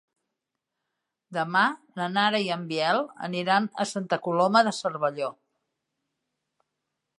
Demà na Nara i en Biel aniran a Santa Coloma de Cervelló.